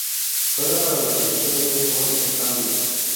Juega para la selección de fútbol de Zambia.